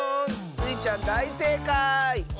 スイちゃんだいせいかい！